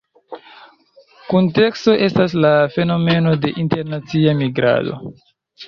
Kunteksto estas la fenomeno de internacia migrado.